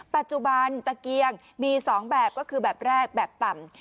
ปัจจุบันตะเกียงมี๒แบบก็คือแบบแรกแบบต่ำ